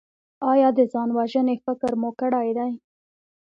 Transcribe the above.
ایا د ځان وژنې فکر مو کړی دی؟